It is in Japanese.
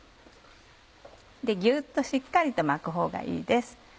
ギュっとしっかりと巻くほうがいいです。